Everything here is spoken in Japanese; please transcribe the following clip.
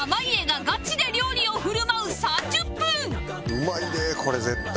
うまいでこれ絶対。